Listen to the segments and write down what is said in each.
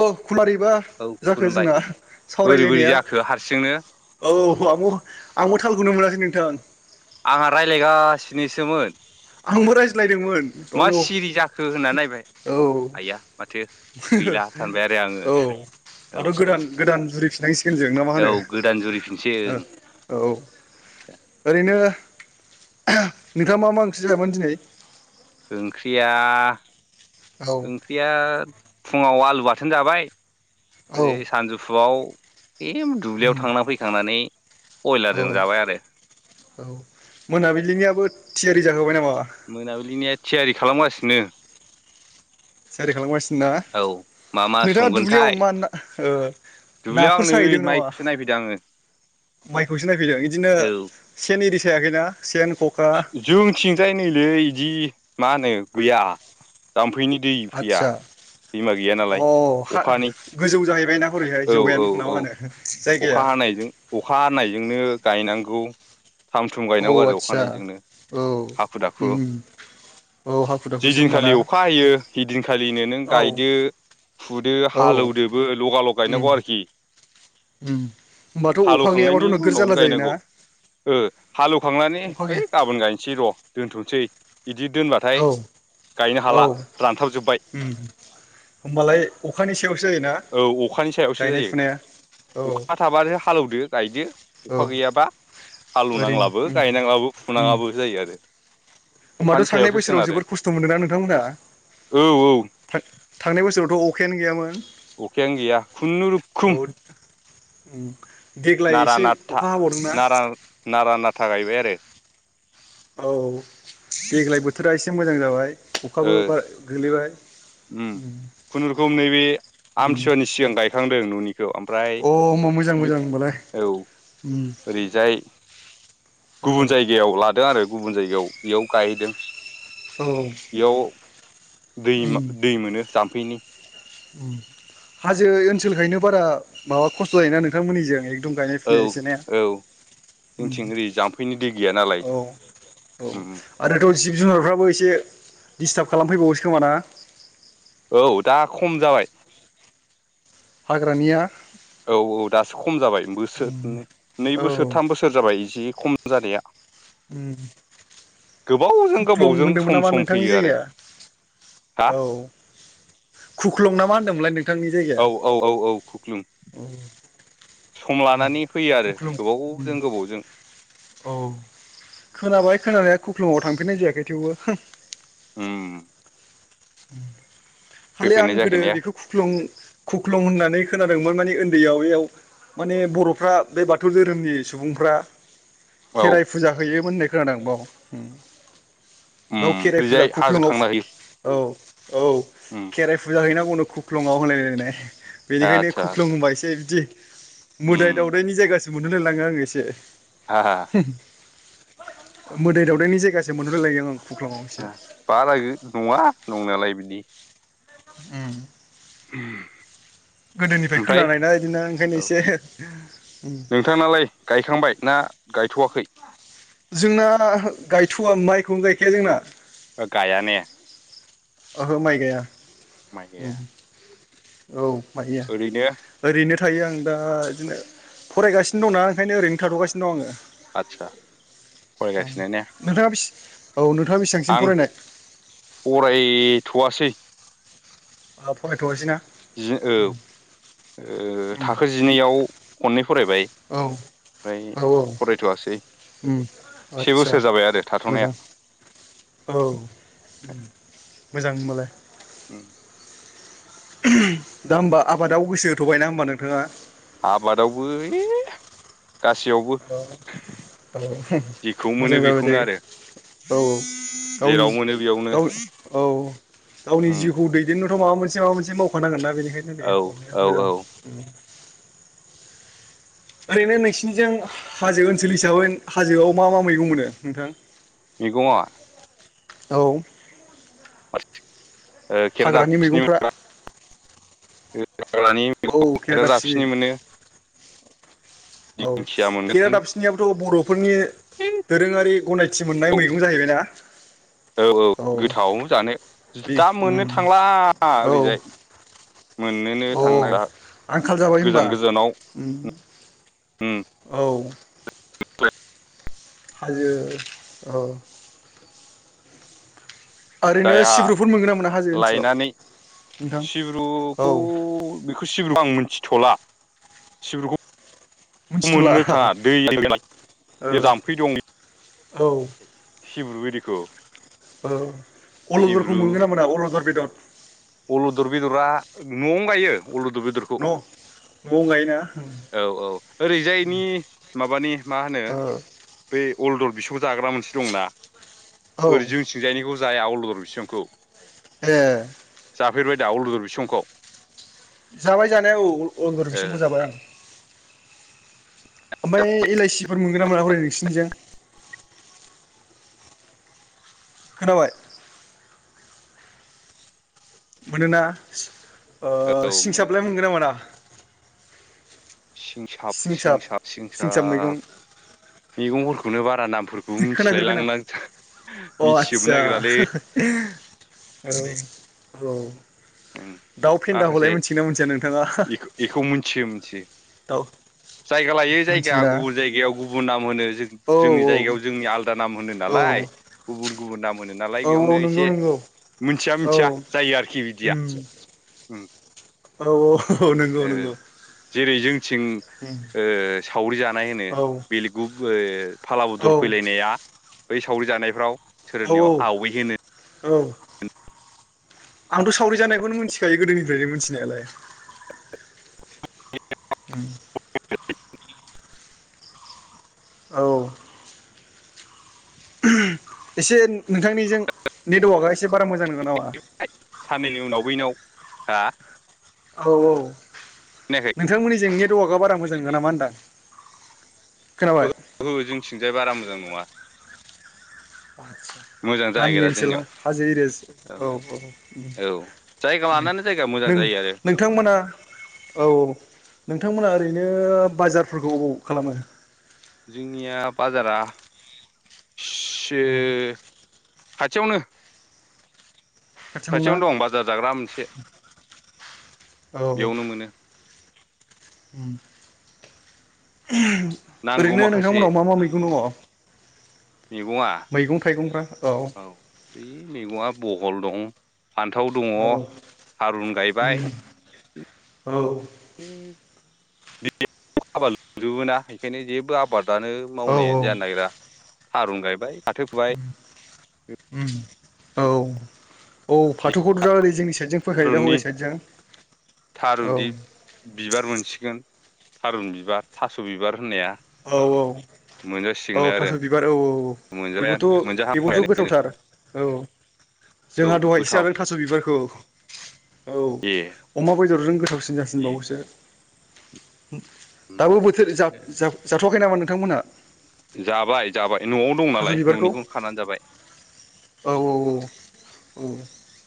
अ' खुमारिबा औ जाखो खुलुमबाय जोंना सावराय बोरै बोरै लायनाया जाखो हारसिंनो औ मा म'आंबो थालखौनो मोनाखै नोंथां। आंहा रायलायगासिनोसोमोन। आंबो रायज्लायदोंमोन मा गावनो सिरि जाखो होनना नायबाय औ आइया माथो गैला सानबाय आरो आङो औ औ दाथ' औ गोदान गोदान जुरि फिनांसिगोन जों ना मा औ होनो गोदान जुरिफिनसै ओ ओं औ आदसा ओरैनो नोंथाङा मा मा ओंख्रि जायामोन दिनै ओंख्रिया ओं ख्रिया फुङाव आलु बाथोन जाबाय। ओरै सानजुफुआव एम दुब्लियाव थांनानै फैखांनानै बयलारजों जाबाय आरो। औ मोनाबिलिनियाबो थियारि जाखाबाय नामा? मोनाबिलिनिया थियारि खालामगासिनो। थियारि खालाम गासिनो ना औ मा मा नोंथाङा दुब्लियाव संगोनथाय मा ना ओ दुब्लियाव नाफोर आं नै साहैदों नामा माइखौसो नायफैदों आङो माइखौसो नायफैदों इदिनो औ सेन एरि सायाखैना सेन, ख'खा जोंथिंजाय नैलै इदि मा होनो गैया जामफैनि दै फैया। आदसा दैमा गैया अ नालाय हा अखानि गोजौ जाहैबायना हरैहाय औ जौयेन औ ना मा औ होनो जायगाया अखा हानायजों अखा हानायजोंनो गायनांगौ थाम थुम औ गायनांगौ आरो आदसा फानायजोंनो औ हाखु दाखु उम औ हाखु दाख जिदिनखालि अखा हायो हिदिनखालिनो नों औ गायदो। फुदो औ हालौदोबो लगालग उम गायनांगौ आरोखि। उम होमबाथ' अखा हालौखांनायनि गैयाबाथ' नोगोद उनावनो जारला जायोना? गायनांगौ ओ हालौ खांनानै अखा गैया हैय गाबोन गायनोसै र' दोनथ'सै इदि दोनबा थाय औ गायनो हाला औ रानथाब जोब्बाय। उम होमबालाय अखानि सायावसो जायोना औ अखानि सायावसो गायनाय जायो फुनाया? औ। अखा थाबानो हालौदो गायदो अखा औ गैयाबा हालौ ओरैनो नांलाबो उम गायनांलाबो। उम नाङाबो जायो आरो। अखानि होमबाथ' सांनाय सायावसो बोसोराव सोनारो जोबोद खस्थ मोनदों ना नोंथां मोनहा? औ औ थां-थांनाय बोसोरावथ' अखायानो गैयामोन। अखायानो गैया खुनु औ रुखुम। उम देग्लाय नारा एसे नाथा अखा हाबावदोंना? नारा नारा नाथा गायबाय आरो। औ देग्लाय बोथोरा एसे मोजां जाबाय। ओ अखाबो बारा गोलैबाय उम खुनु रुखुम नैबे अ आमथि सुवानि सिगां गायखांदों न'नि खौ आमफ्राय होमबा मोजां बे मोजां होनबालाय औ ओरै जाय औ गुबुन जायगायाव लादो आरो गुबुन जायगायाव इयाव गायहैदों। औ औ बेयाव दैमा दै मोनो जाम्फैनि। हाजो ओनसोलखायनो बारा माबा खस्थ जायोना नोंथांमोननिजों दुम गायनाय औ फुनाया एसे ने औ जोंथिं ओरै जाम्फैनि दै गैया नालाय औ औ उम आरोथ जिब जुनारफ्राबो एसे दिसथाब खालामफैबावोसो खोमाना औ दा खम जाबाय हाग्रानिया औ-औ दासो खम जाबाय बोसोरनै-नै औ बोसोर थाम बोसोर जाबाय जि खम जानाया। उम गोबावजों खुख्लं गोबावजों होनदोंमोन सम नामा सम नोंथांनि फैयो आरो जायगाया? हा औ। खुख्लं ना मा होनदोंमोनलाय नोंथांनि औ औ औ खुख्लुं जायगाया? सम लानानै फैयो आरो गोबावजों-गोबावजों। औ खोनाबाय खोनानाया खुख्लुङाव थांफेरनाय जायाखै थेवबो हम। उम-उम। खालि फैफेरनाय आं गोदो जाहैनाया बेखौ खुख्लं-खुख्लं होननानै खोनादोंमोन माने उन्दैयाव बैयाव। माने बर'फ्रा बे बाथौ धोरोमनि सुबुंफ्रा औ खेराइ फुजा हैयोमोन होननाय खोनादों बाव। बेयाव उम खेराइ फुजा ओरैजाय हाजो खुख्लुङआव थांना होयो औ-औ उम खेराइ फुजा हैनांगौनो खुख्लंआव होनलायलायनाय। बेनिखायनो आदसा खुख्लं आदसा होनबा एसे बिदि उम मोदाय-दावदायनि जायगासो मोनहरलायलाङो आङो एसे। हा-हा। मोदाइ-दावदायनि जायगासो मोनहरलायलाङो आं खुख्लाङाव एसे। बारा नङा नंनायालाय बिदि। उम। उम। गोदोनिफ्राय खोनानायना बिदिनो ओंखायनो औ एसे। नोंथांनालाय गायखांबाय ना गायथ'वाखै? जोंना गायथ'वा माइखौनो गायखाया जोंना। ओ गाया ने। ओहो माइ गाया माइ उम गाया औ माइ गाया। ओरैनो ओरैनो थायो आं दा बिदिनो फरायगासिनो दंना ओंखायनो ओरैनो थाथ'गासिनो दं आङो। आदसा फरायगासिनो ने। नोंथाङा बेसि औ नोंथाङा बेसेबांसिम आं फरायनाय? फरायथ'वासै। अ फरायथ'यासिना। जि औ ओ थाखो जिनैआव खननै फरायबाय। औ ओमफ्राय औ औ फरायथ'वासै से आदसा बोसोर जाबाय आरो थाथ'नाया। मोजां औ मोजां होनबालाय। उम। दा होमबा आबादाव गोसो होथ'बायना होमबा नोंथाङा। आबादावबो इ गासैयावबो औ जेखौ मोनो मोजां जाबाय दे बेखौनो औ आरो। औ गावनि जेराव जि मोनो बेयावनो गावनि औ गावनि उम जिउखौ दै देननोथ' माबा मोनसे-माबा मोनसे मावखानांगोन ना बेनिखायनो दे औ हरजाया औ मोजां। औ ओरैनो नोंसिनिजों हाजो ओनसोल हिसाबै हाजोआव मा-मा मैगं मोनो नोंथां? मैगंआ औ। [unintelligible] हाग्रानि खेरादाफिनि मैगंफ्रा मोनबा हाग्रानि औ मैगंफ्रा खेरा खेरादाफिनि दाबसिनि मोनो। औ दिंखिया मोनो खेरा दाबफि नियाबोथ' बर'फोरनि दोरोङारि गनायथि मोननाय औ मैगं जाहैबायना। औ बे दा मोननो उम थांला औ ओरैजाय। मोननोनो थांला औ आंखाल जाबाय होमबा गोजान गोजानाव उम। औ हाजो औ ओरैनो जायहा सिब्रुफोर मोनगोन ना मोना हाजो ओनसोलाव लायनानै नोंथां औ सिब्रुखौ बेखौ सिब्रुखौ आं मिथिथ'ला सिब्रुखौ मिथिथ'ला मोननो थाङा दै गोनां जे ओ जाम्फै दं औ सिब्रु इरिखौ अलदरखौ मोनगोन ना मोना अलदर बेदर? अलुदर बेदरा न'आवनो गायो अलुदर बेदरखौ। न' न'आव गायोना औ औ ओरैजायनि माबानि मा होनो ओ बे अलदल बिसौ जाग्रा मोनसे दंना औ ओरै जों थिंजायनिखौ जाया आलदर बिसांखौ ए जाफेरबाय दा उलुदुर बिसंखौ? जाबाय जानाया औ अगुर ओ बिसमखौ जाबाय आं। ओमफ्राय एलाइसिफोर मोनगोन ना मोना हरै नोंसिनिजों? खोनाबाय? मोनोना ओ औ मोनो सिंसाब्लाय मोनगोन ना मोना? सिंसाब सिंसाब सिंसाब मैगंफोरखौनो बारा नाम खोनाफेरबाय नों अ मिथिजोबनो आतसा नागिरालै आरो बे औ ओं दाउ फेन्दा हलाय माखासे मिथिगोना मिथिया नोंथाङा बे-बेखौ मिथियो मोनथियो दाउ जायगा लायो जायगाया मिथियोना गुबुन जायगायाव गुबुन नाम होनो जों औ जोंनि औ जायगायाव जोंनि आल दा नाम होनो औ नालाय गुबुन गुबुन नाम मोनो नालाय औ बेयावनो नंगौ एसे नंगौ मिथिया औ मिथिया जायो आरोखि बिदिया उम ओम। औ औ नंगौ नंगौ जेरै जोंथिं उम ओ सावरि जानाय होनो औ बेलिगु फाला बदल फैलायनाया बै सावरि जानायफ्राव औ सोरनियाव औ आवै होनो औ आंथ' सावरि जानायखौनो मिथिखायो गोदोनिफ्रायनो मिथिनायालाय [inaudible] औ एसे नोंथांनिजों नेटवारकआ एसे बारा मोजां नङा नामा? साननैनि उनाव बैनाव हा औ औ खोनायाखै नोंथांमोननि जोंनाय दवकआ बारा मोजां नङा नामा होनदा? ओहो जोंथिंजाय बारा मोजां नङा आतसा मोजां जागेरा जोंनियाव औ औ जायगा लानानै जायगा मोजां नों जायो आरो नोंथांमोना औ नोंथांमोना ओरैनो बाजारफोरखौ खालामो जोंनिया बाजारा औ [unintelligible] खाथियावनो खाथियावनो दं बाजार जाग्रा मोनसे बेयावनो मोनो ओम [unintelligible] नांगौ ओरैनो माखासे नोंथांमोनाव मा मा मैगं दङ? मैगङा मैगं थाइगंफ्रा औ बै मैगङा बहल दं। फान्थाव दङ औ थारुन गायबाय उम औ [unintelligible] लोंजोबोना बेखायनो जेबो आबाद फ्रानो औ मावनायानो जानो नागिरा थारुन गायबाय फाथो फु ओम औ औ फाथोखौथ' दा ओरै जोंनि साइदजों फैखायोदा थारुननि हरै साइदजों औ। थारुननि बिबार मोनसिगोन थारुन बिबार, थास' बिबार होननाया औ औ औ मोनजासिगोनलाय आरो थास' बिबार औ औ मोनजाबायानो बिबोथ' बिबोथ' मोनजाहांबायानो नै गोथावथार औ औ जोंहा दहायसो गोथाव जादों थास' बिबारखौ औ। ए अमा बेदरजों गोथावसिन जासिनबावोसो उम दाबो बोथोर जा-जा जाथ'आखै नामा नोंथांमोनहा? जाबाय जाबाय न'आव दं थास' नालाय बिबारखौ न'निखौनो खानानै जाबाय। औ औ औ औ।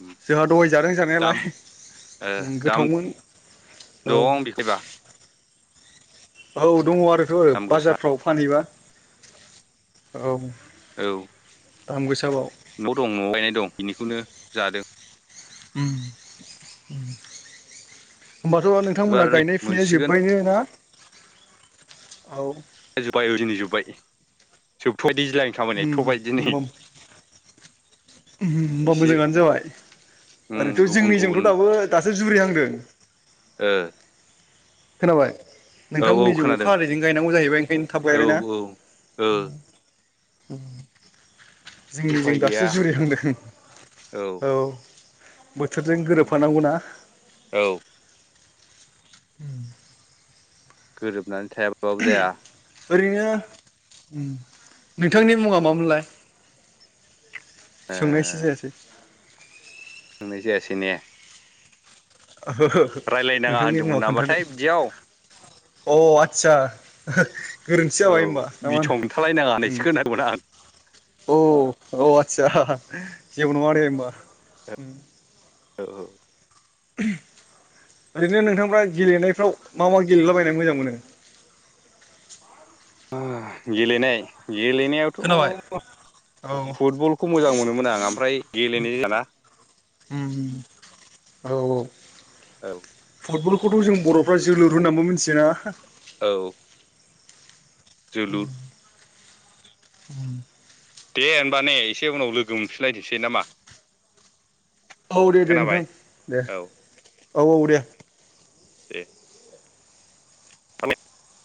उम जोंहा दहाय जादों दाम जानायालाय ओ दाम गोथावमोन। औ दं बिखैबा औ दङ आरोथ' आरो दाम गोसा बाजारफ्राव फानहैबा औ औ। दाम गोसाबाव। न'आव दं न'आव गायनाय दं बेनिखौनो जादों। ओम ओम होमबाथ' नों थांमोनहा एबार नै गायनाया फुनाया मोनसिगोन जोब्बाय ना? औ। जोब्बाय ओ दिनै जोब्बाय जोबथ'बाय दैज्लाांनि खामानिया थ'बाय उम दिनै। ओमबा एसे मोजाङानो जाबाय उम ओरैथ' गुबुन गुबुन जोंनिजोंथ' दाबो दासो जुरिहांदों। ओ खोनाबाय? औ औ नोंथांमोननिजों अखा खोनादों हादैजों गायनांगौ जाहैबाय ओंखायनो थाब औ गायबायना? औ ओ ओम उफाय जोंनिजों दासो गैया जुरिहांदों औ। बोथोरजों गोरोब फानांगौना। औ। उम गोरोबनानै थायाबा [unintelligible] ओरैनो ओम नोंथांनि मुंआ मामोनलाय? ओ सोंनायसो जायासै। सोंनाय जायासै ने? ओहो रायलायनाङा नोंथांनि होनदोंमोन मुंआ खोन्थादो नामाथाय बिदियाव अ आदसा हो गोरोन्थि औ जाबाय होनबा ना मा बिथं होनो? खोन्थालायनाङा अम। होननायसो खोनादोंमोन आं अ -औ आतसा जेबो नड़ादे ओमबा। औ -औ। ओरैनो नोंथांफ्रा गेलेनायफ्राव मा -मा गेलेलाबायनो मोजां मोनो? गेलेनाय- खोनाबाय गेलेनायावथ' औ फुटबल खौ मोजां मोनोमोन आं ओमफ्राय गेलेनाय जायाना अम औ- औ। औ। फुटबल खौथ' जों बर'फ्रा जोलुर होननानैबो मिथियो ना? औ। जोलुर उम दे होनबा ने एसे उनाव लोगो मोनफिनलायथसै नामा? औ दे -दे नोंथां खोनाबाय दे औ औ- औ दे। दे। [unintelligible]